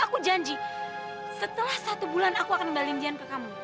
aku janji setelah satu bulan aku akan kembali indian ke kamu